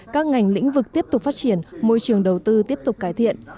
các ngành lĩnh vực tiếp tục phát triển môi trường đầu tư tiếp tục cải thiện